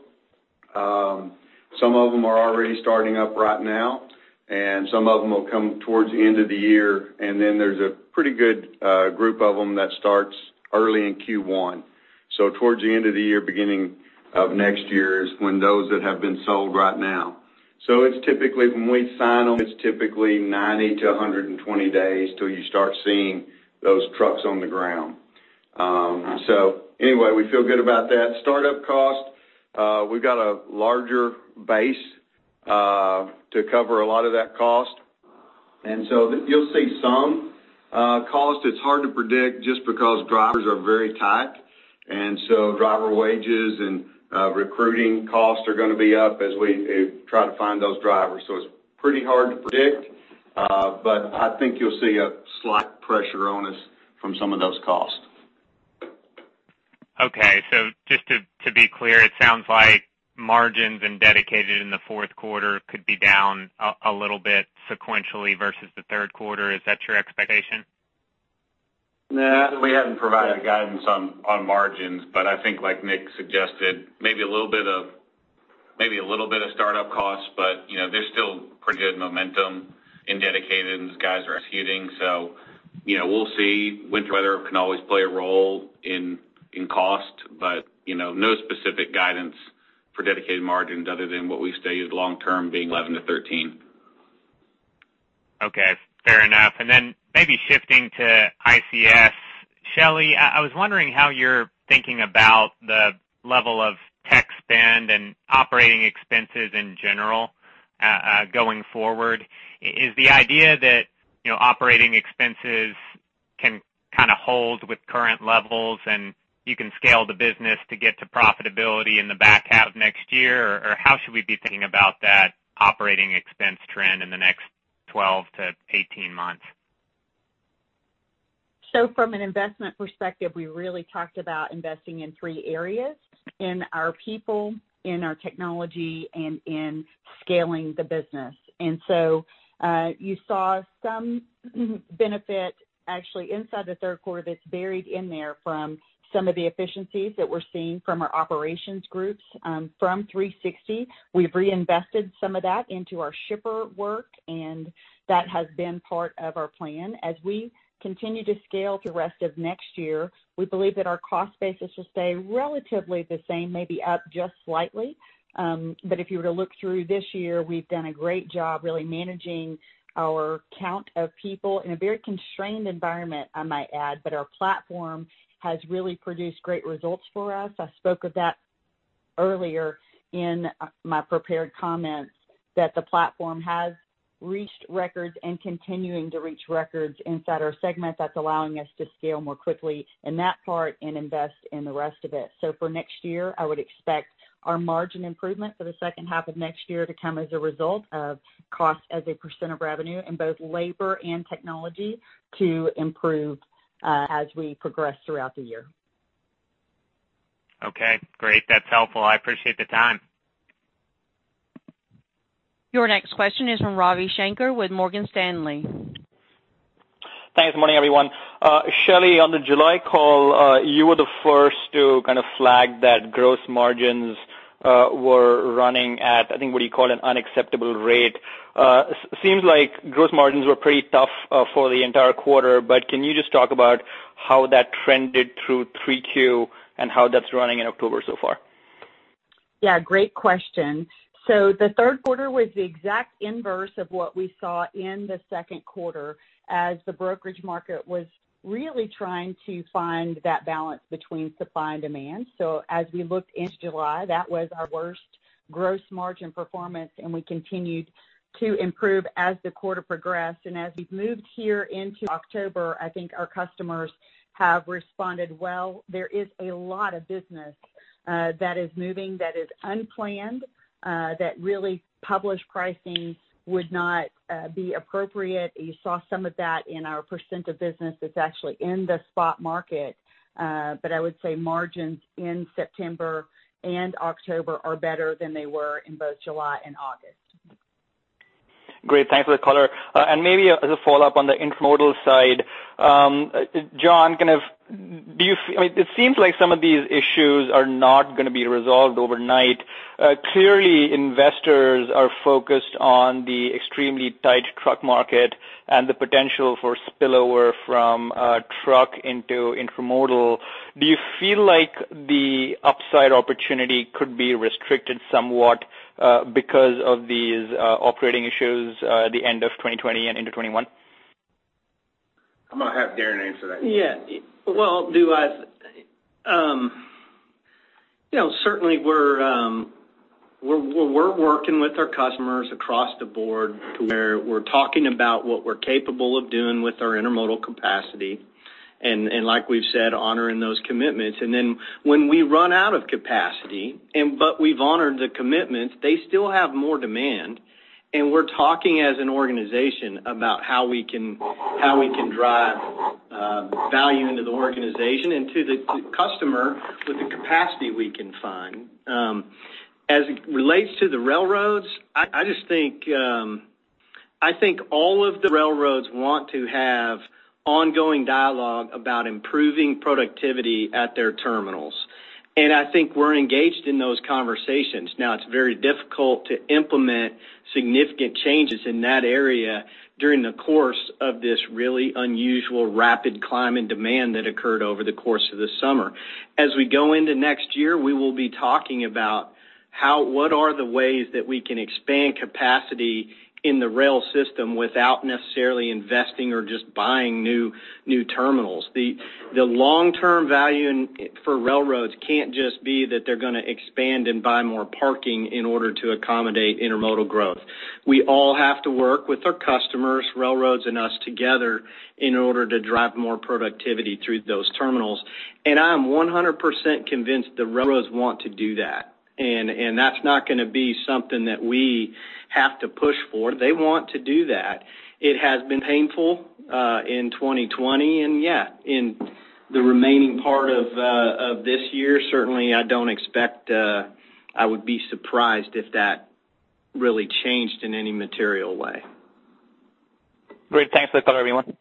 Some of them are already starting up right now, and some of them will come towards the end of the year, and then there's a pretty good group of them that starts early in Q1. Towards the end of the year, beginning of next year, is when those that have been sold right now. When we sign them, it's typically 90 to 120 days till you start seeing those trucks on the ground. Anyway, we feel good about that. Startup cost, we've got a larger base to cover a lot of that cost. You'll see some cost. It's hard to predict just because drivers are very tight. Driver wages and recruiting costs are going to be up as we try to find those drivers. It's pretty hard to predict. I think you'll see a slight pressure on us from some of those costs. Okay. Just to be clear, it sounds like margins and dedicated in the fourth quarter could be down a little bit sequentially versus the third quarter. Is that your expectation? No, we haven't provided guidance on margins, but I think like Nick suggested, maybe a little bit of startup costs, but there's still pretty good momentum in dedicated, and those guys are executing, so we'll see. Winter weather can always play a role in cost. No specific guidance for dedicated margins other than what we stated long term being 11%-13%. Okay. Fair enough. Maybe shifting to ICS. Shelley, I was wondering how you're thinking about the level of tech spend and operating expenses in general, going forward. Is the idea that operating expenses can kind of hold with current levels and you can scale the business to get to profitability in the back half of next year? How should we be thinking about that operating expense trend in the next 12-18 months? From an investment perspective, we really talked about investing in three areas: in our people, in our technology, and in scaling the business. You saw some benefit actually inside the third quarter that's buried in there from some of the efficiencies that we're seeing from our operations groups. 360, we've reinvested some of that into our shipper work, and that has been part of our plan. As we continue to scale the rest of next year, we believe that our cost base should stay relatively the same, maybe up just slightly. If you were to look through this year, we've done a great job really managing our count of people in a very constrained environment, I might add. Our platform has really produced great results for us. I spoke of that earlier in my prepared comments, that the platform has reached records and continuing to reach records inside our segment that's allowing us to scale more quickly in that part and invest in the rest of it. For next year, I would expect our margin improvement for the second half of next year to come as a result of cost as a % of revenue in both labor and technology to improve as we progress throughout the year. Okay, great. That's helpful. I appreciate the time. Your next question is from Ravi Shanker with Morgan Stanley. Thanks. Morning, everyone. Shelley, on the July call, you were the first to kind of flag that gross margins were running at, I think, what you called an unacceptable rate. Seems like gross margins were pretty tough for the entire quarter, can you just talk about how that trended through 3Q and how that's running in October so far? Yeah, great question. The third quarter was the exact inverse of what we saw in the second quarter, as the brokerage market was really trying to find that balance between supply and demand. As we looked into July, that was our worst gross margin performance, and we continued to improve as the quarter progressed. As we've moved here into October, I think our customers have responded well. There is a lot of business that is moving that is unplanned, that really published pricing would not be appropriate. You saw some of that in our % of business that's actually in the spot market. I would say margins in September and October are better than they were in both July and August. Great. Thanks for the color. Maybe as a follow-up on the intermodal side. John, it seems like some of these issues are not going to be resolved overnight. Clearly, investors are focused on the extremely tight truck market and the potential for spillover from truck into intermodal. Do you feel like the upside opportunity could be restricted somewhat because of these operating issues the end of 2020 and into 2021? I'm going to have Darren answer that. Yeah. Certainly, we're working with our customers across the board to where we're talking about what we're capable of doing with our intermodal capacity and, like we've said, honoring those commitments. Then when we run out of capacity, but we've honored the commitments, they still have more demand, and we're talking as an organization about how we can drive value into the organization and to the customer with the capacity we can find. As it relates to the railroads, I think all of the railroads want to have ongoing dialogue about improving productivity at their terminals. I think we're engaged in those conversations. Now, it's very difficult to implement significant changes in that area during the course of this really unusual, rapid climb in demand that occurred over the course of the summer. As we go into next year, we will be talking about what are the ways that we can expand capacity in the rail system without necessarily investing or just buying new terminals. The long-term value for railroads can't just be that they're going to expand and buy more parking in order to accommodate intermodal growth. We all have to work with our customers, railroads, and us together in order to drive more productivity through those terminals. I am 100% convinced the railroads want to do that, and that's not going to be something that we have to push for. They want to do that. It has been painful in 2020, and yeah, in the remaining part of this year. Certainly, I would be surprised if that really changed in any material way. Great. Thanks. Let's let everyone.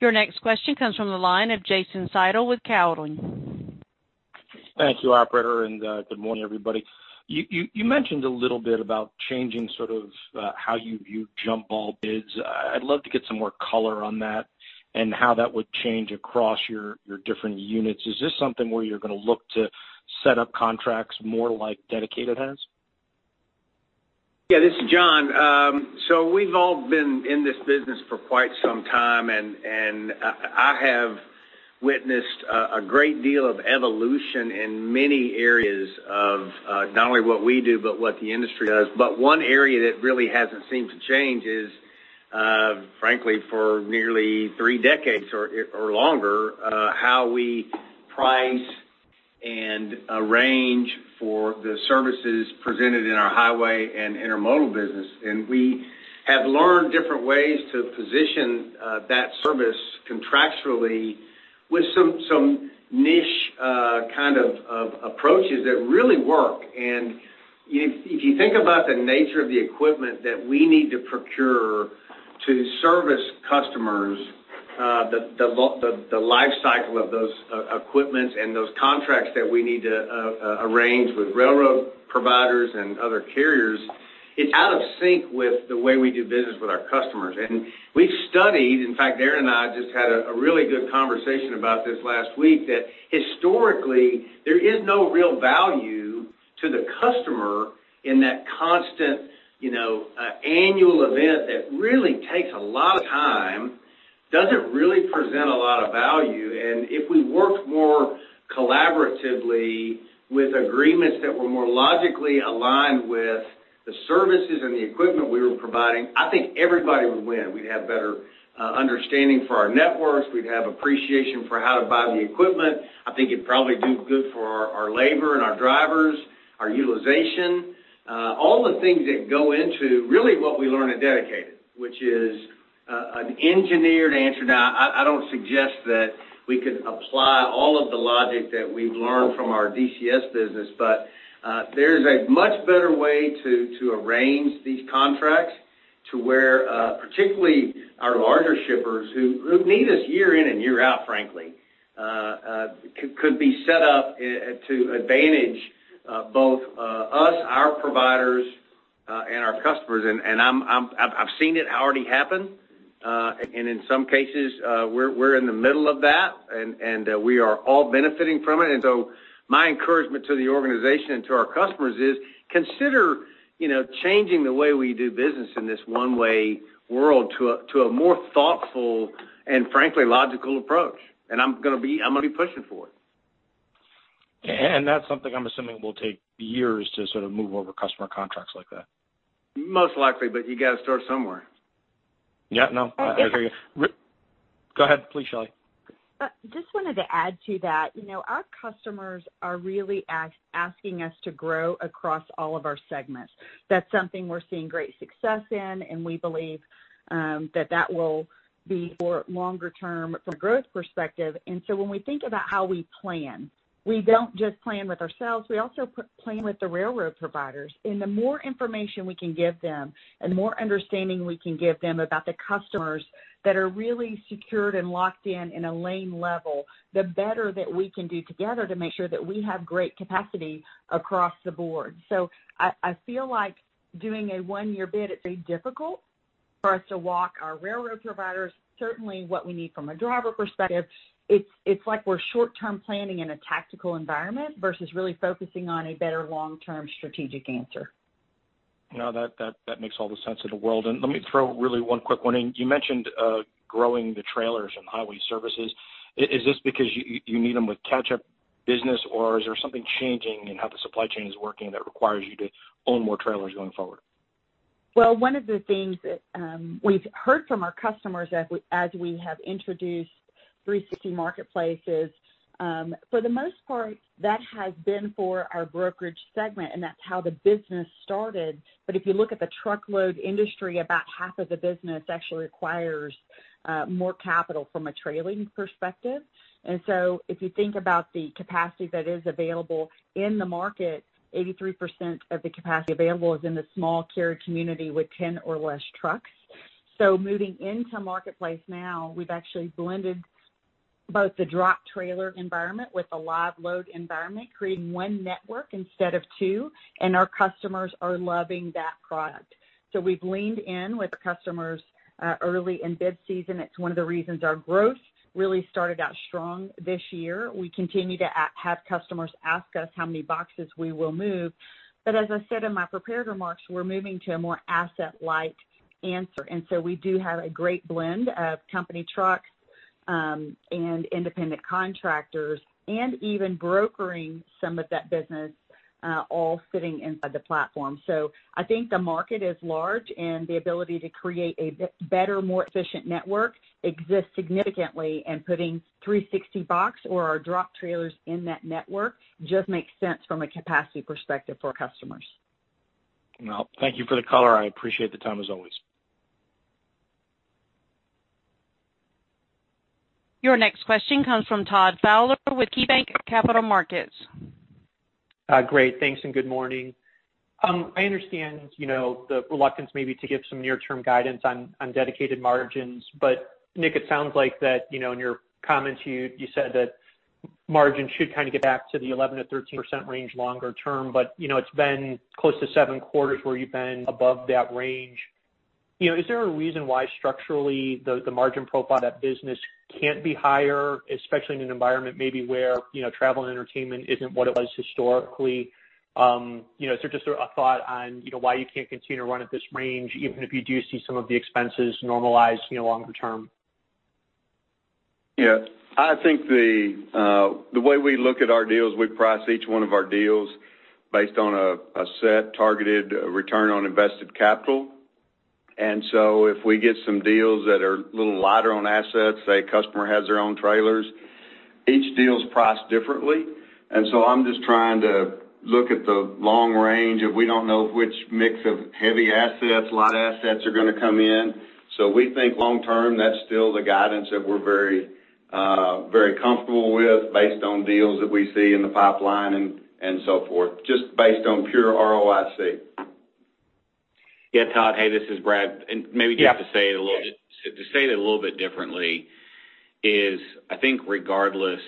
Your next question comes from the line of Jason Seidl with Cowen. Thank you, operator. Good morning, everybody. You mentioned a little bit about changing sort of how you view jump ball bids. I'd love to get some more color on that and how that would change across your different units. Is this something where you're going to look to set up contracts more like Dedicated has? Yeah, this is John. We've all been in this business for quite some time, and I have witnessed a great deal of evolution in many areas of not only what we do, but what the industry does. One area that really hasn't seemed to change is, frankly, for nearly three decades or longer, how we price and arrange for the services presented in our highway and intermodal business. We have learned different ways to position that service contractually with some niche kind of approaches that really work. If you think about the nature of the equipment that we need to procure to service customers, the life cycle of those equipments and those contracts that we need to arrange with railroad providers and other carriers, it's out of sync with the way we do business with our customers. We've studied, in fact, Darren and I just had a really good conversation about this last week, that historically, there is no real value to the customer in that constant annual event that really takes a lot of time, doesn't really present a lot of value. If we worked more collaboratively with agreements that were more logically aligned with the services and the equipment we were providing, I think everybody would win. We'd have better understanding for our networks. We'd have appreciation for how to buy the equipment. I think it'd probably do good for our labor and our drivers, our utilization. All the things that go into really what we learn at Dedicated, which is an engineered answer. Now, I don't suggest that we could apply all of the logic that we've learned from our DCS business, but there's a much better way to arrange these contracts to where, particularly our larger shippers who need us year in and year out, frankly, could be set up to advantage both us, our providers, and our customers. I've seen it already happen. In some cases, we're in the middle of that, and we are all benefiting from it. My encouragement to the organization and to our customers is consider changing the way we do business in this one-way world to a more thoughtful and frankly, logical approach. I'm going to be pushing for it. That's something I'm assuming will take years to sort of move over customer contracts like that. Most likely, but you got to start somewhere. Yeah, no, I hear you. Go ahead, please, Shelley. Just wanted to add to that. Our customers are really asking us to grow across all of our segments. That's something we're seeing great success in, and we believe that that will be for longer term from a growth perspective. When we think about how we plan, we don't just plan with ourselves, we also plan with the railroad providers. The more information we can give them, and the more understanding we can give them about the customers that are really secured and locked in a lane level, the better that we can do together to make sure that we have great capacity across the board. I feel like doing a one-year bid, it's very difficult for us to walk our railroad providers. Certainly, what we need from a driver perspective, it's like we're short-term planning in a tactical environment versus really focusing on a better long-term strategic answer. No, that makes all the sense in the world. Let me throw really one quick one in. You mentioned growing the trailers and Highway Services. Is this because you need them with catch-up business, or is there something changing in how the supply chain is working that requires you to own more trailers going forward? One of the things that we've heard from our customers as we have introduced 360 marketplaces, for the most part, that has been for our brokerage segment, that's how the business started. If you look at the truckload industry, about half of the business actually requires more capital from a trailing perspective. If you think about the capacity that is available in the market, 83% of the capacity available is in the small carrier community with 10 or less trucks. Moving into Marketplace now, we've actually blended both the drop trailer environment with the live load environment, creating one network instead of two, our customers are loving that product. We've leaned in with customers early in bid season. It's one of the reasons our growth really started out strong this year. We continue to have customers ask us how many boxes we will move. As I said in my prepared remarks, we're moving to a more asset-light answer. We do have a great blend of company trucks, and independent contractors, and even brokering some of that business all sitting inside the platform. I think the market is large, and the ability to create a better, more efficient network exists significantly. Putting 360box or our drop trailers in that network just makes sense from a capacity perspective for our customers. Thank you for the color. I appreciate the time, as always. Your next question comes from Todd Fowler with KeyBanc Capital Markets. Great. Thanks, good morning. I understand the reluctance maybe to give some near-term guidance on Dedicated margins. Nick, it sounds like that in your comments, you said that margins should kind of get back to the 11%-13% range longer term, but it's been close to seven quarters where you've been above that range. Is there a reason why structurally, the margin profile of that business can't be higher, especially in an environment maybe where travel and entertainment isn't what it was historically? Is there just a thought on why you can't continue to run at this range, even if you do see some of the expenses normalize longer term? Yeah. I think the way we look at our deals, we price each one of our deals based on a set targeted return on invested capital. If we get some deals that are a little lighter on assets, say a customer has their own trailers, each deal is priced differently. I'm just trying to look at the long range, and we don't know which mix of heavy assets, light assets are going to come in. We think long term, that's still the guidance that we're very comfortable with based on deals that we see in the pipeline and so forth. Just based on pure ROIC. Yeah, Todd. Hey, this is Brad. Maybe just to say it a little bit differently is, I think regardless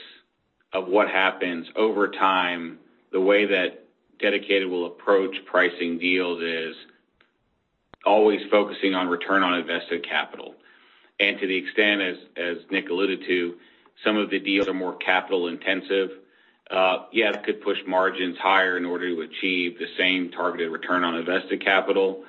of what happens over time, the way that Dedicated will approach pricing deals is always focusing on return on invested capital. To the extent, as Nick alluded to, some of the deals are more capital intensive. Yeah, it could push margins higher in order to achieve the same targeted return on invested capital.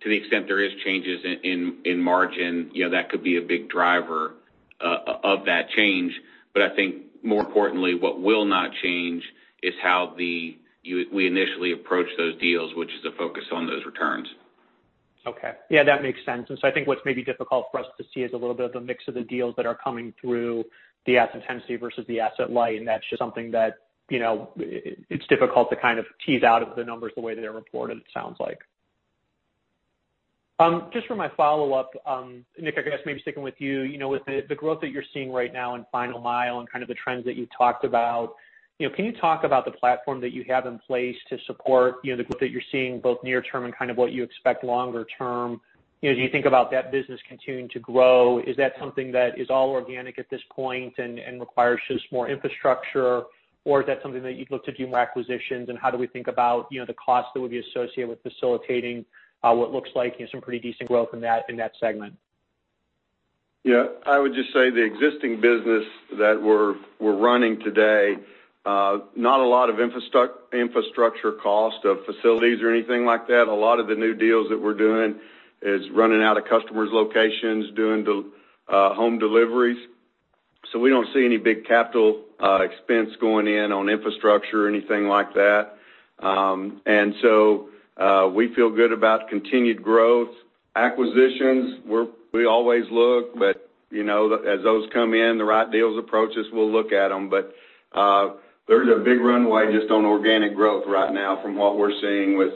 To the extent there is changes in margin, that could be a big driver of that change. I think more importantly, what will not change is how we initially approach those deals, which is a focus on those returns. Okay. Yeah, that makes sense. I think what's maybe difficult for us to see is a little bit of the mix of the deals that are coming through the asset intensity versus the asset light. That's just something that it's difficult to kind of tease out of the numbers the way that they're reported, it sounds like. Just for my follow-up, Nick, I guess maybe sticking with you. With the growth that you're seeing right now in final mile and the trends that you talked about, can you talk about the platform that you have in place to support the growth that you're seeing, both near term and what you expect longer term? Do you think about that business continuing to grow? Is that something that is all organic at this point and requires just more infrastructure? Or is that something that you'd look to do more acquisitions? How do we think about the cost that would be associated with facilitating what looks like some pretty decent growth in that segment? Yeah. I would just say the existing business that we're running today, not a lot of infrastructure cost of facilities or anything like that. A lot of the new deals that we're doing is running out of customers' locations, doing home deliveries. We don't see any big capital expense going in on infrastructure or anything like that. We feel good about continued growth. Acquisitions, we always look, but as those come in, the right deals approach us, we'll look at them. There's a big runway just on organic growth right now from what we're seeing with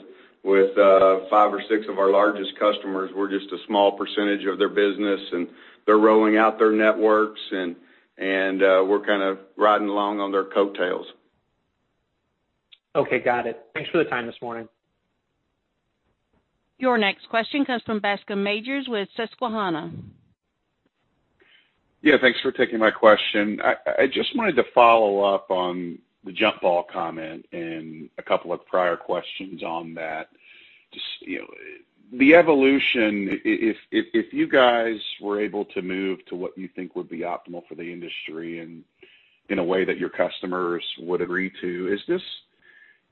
five or six of our largest customers. We're just a small percentage of their business, and they're rolling out their networks, and we're kind of riding along on their coattails. Okay, got it. Thanks for the time this morning. Your next question comes from Bascome Majors with Susquehanna. Yeah, thanks for taking my question. I just wanted to follow up on the jump ball comment and a couple of prior questions on that. The evolution, if you guys were able to move to what you think would be optimal for the industry and in a way that your customers would agree to, is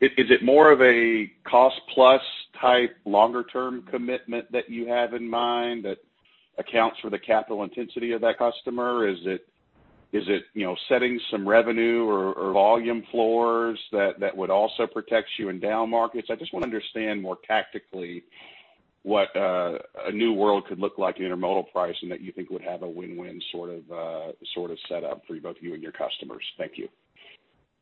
it more of a cost-plus type longer-term commitment that you have in mind that accounts for the capital intensity of that customer? Is it setting some revenue or volume floors that would also protect you in down markets? I just want to understand more tactically what a new world could look like in intermodal pricing that you think would have a win-win sort of setup for both you and your customers. Thank you.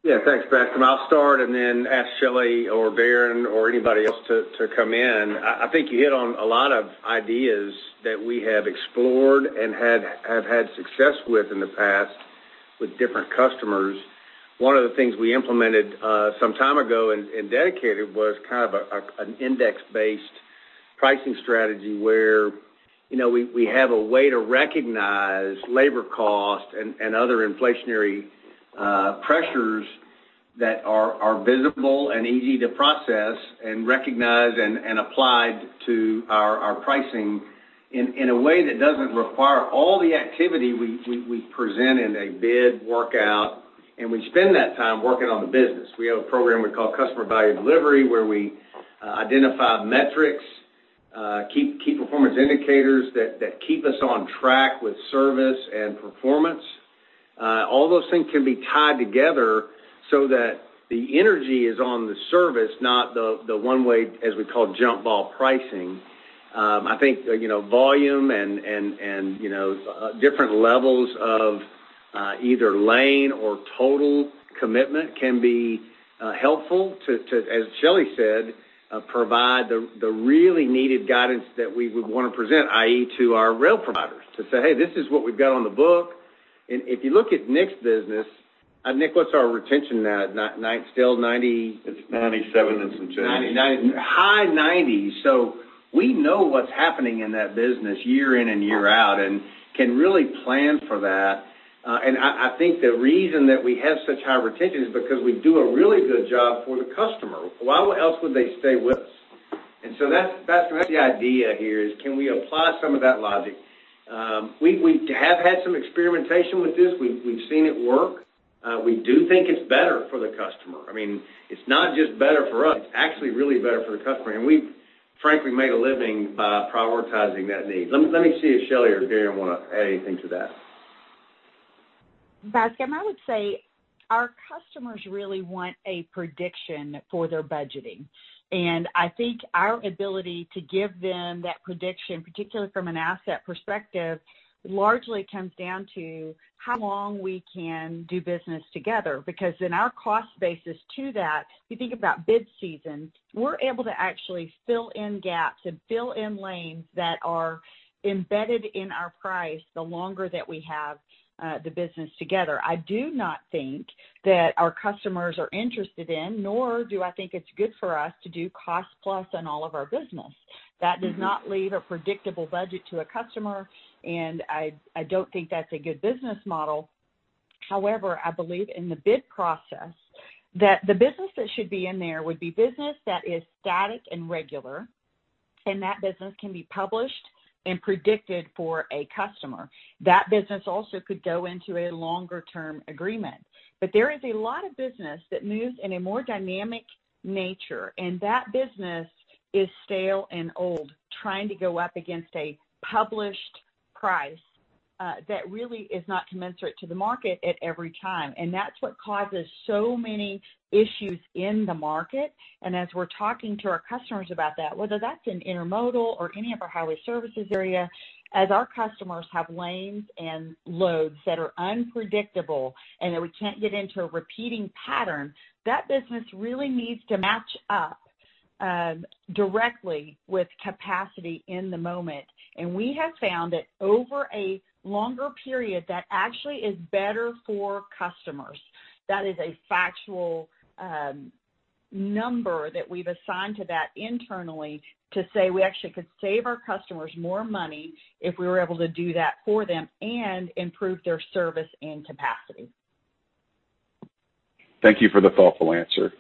Yeah. Thanks, Bascome. I'll start and then ask Shelley or Darren or anybody else to come in. I think you hit on a lot of ideas that we have explored and have had success with in the past with different customers. One of the things we implemented some time ago in Dedicated was an index-based pricing strategy where we have a way to recognize labor cost and other inflationary pressures that are visible and easy to process and recognize and applied to our pricing in a way that doesn't require all the activity we present in a bid workout, and we spend that time working on the business. We have a program we call Customer Value Delivery, where we identify metrics, key performance indicators that keep us on track with service and performance. All those things can be tied together so that the energy is on the service, not the one-way, as we call, jump ball pricing. I think volume and different levels of either lane or total commitment can be helpful to, as Shelley said, provide the really needed guidance that we would want to present, i.e., to our rail providers to say, "Hey, this is what we've got on the book." If you look at Nick's business, Nick, what's our retention now? Still 90? It's $97 and some change, 99. High 90s. We know what's happening in that business year in and year out and can really plan for that. I think the reason that we have such high retention is because we do a really good job for the customer. Why else would they stay with us? That's the idea here, is can we apply some of that logic? We have had some experimentation with this. We've seen it work. We do think it's better for the customer. It's not just better for us. It's actually really better for the customer. We've, frankly, made a living by prioritizing that need. Let me see if Shelley or Darren want to add anything to that. Bascome, I would say our customers really want a prediction for their budgeting. I think our ability to give them that prediction, particularly from an asset perspective, largely comes down to how long we can do business together. In our cost basis to that, if you think about bid season, we're able to actually fill in gaps and fill in lanes that are embedded in our price the longer that we have the business together. I do not think that our customers are interested in, nor do I think it's good for us to do cost plus on all of our business. That does not leave a predictable budget to a customer, and I don't think that's a good business model. However, I believe in the bid process that the business that should be in there would be business that is static and regular, and that business can be published and predicted for a customer. That business also could go into a longer-term agreement. There is a lot of business that moves in a more dynamic nature, and that business is stale and old, trying to go up against a published price that really is not commensurate to the market at every time. That's what causes so many issues in the market. As we're talking to our customers about that, whether that's in intermodal or any of our Highway Services area, as our customers have lanes and loads that are unpredictable and that we can't get into a repeating pattern, that business really needs to match up directly with capacity in the moment. We have found that over a longer period, that actually is better for customers. That is a factual number that we've assigned to that internally to say we actually could save our customers more money if we were able to do that for them and improve their service and capacity. Thank you for the thoughtful answer.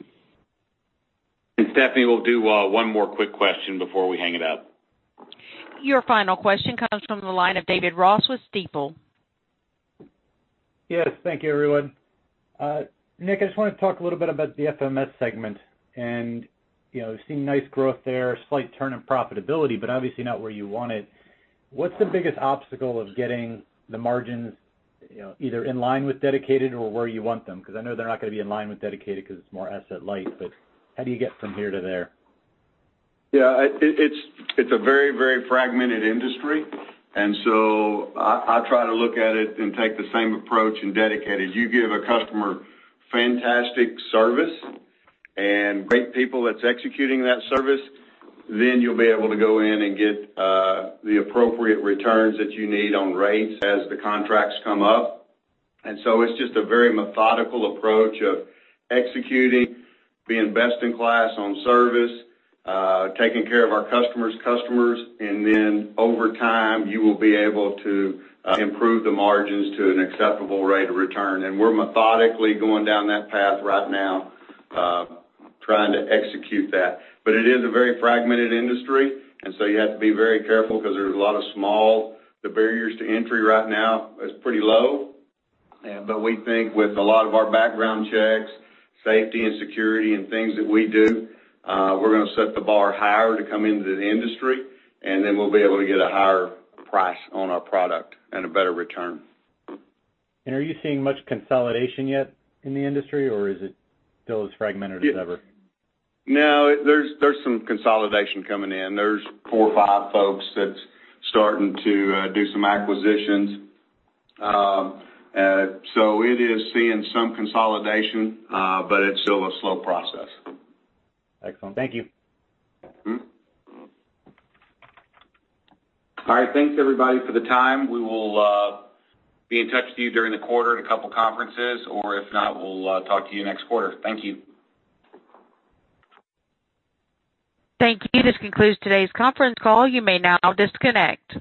Stephanie, we'll do one more quick question before we hang it up. Your final question comes from the line of David Ross with Stifel. Yes. Thank you, everyone. Nick, I just wanted to talk a little bit about the FMS segment, and seeing nice growth there, slight turn in profitability, but obviously not where you want it. What's the biggest obstacle of getting the margins either in line with dedicated or where you want them? I know they're not going to be in line with dedicated because it's more asset light, but how do you get from here to there? It's a very fragmented industry. I try to look at it and take the same approach in dedicated. You give a customer fantastic service and great people that's executing that service, you'll be able to go in and get the appropriate returns that you need on rates as the contracts come up. It's just a very methodical approach of executing, being best in class on service, taking care of our customers' customers, over time, you will be able to improve the margins to an acceptable rate of return. We're methodically going down that path right now, trying to execute that. It is a very fragmented industry, you have to be very careful because there's a lot of The barriers to entry right now is pretty low. We think with a lot of our background checks, safety and security and things that we do, we're going to set the bar higher to come into the industry, and then we'll be able to get a higher price on our product and a better return. Are you seeing much consolidation yet in the industry, or is it still as fragmented as ever? No, there's some consolidation coming in. There's four or five folks that's starting to do some acquisitions. It is seeing some consolidation, but it's still a slow process. Excellent. Thank you. All right. Thanks, everybody, for the time. We will be in touch with you during the quarter at a couple conferences, or if not, we'll talk to you next quarter. Thank you. Thank you. This concludes today's conference call. You may now disconnect.